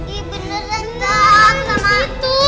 ih beneran gak sama aku